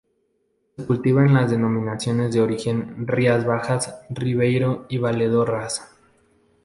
Se cultiva en las denominaciones de origen Rías Bajas, Ribeiro y Valdeorras.